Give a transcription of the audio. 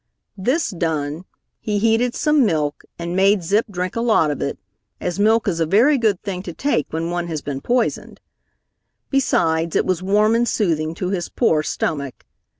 This done, he heated some milk and made Zip drink a lot of it, as milk is a very good thing to take when one has been poisoned. Besides, it was warm and soothing to his poor stomach.